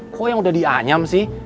kok yang udah dianyam sih